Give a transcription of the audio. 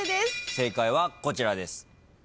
正解はこちらです。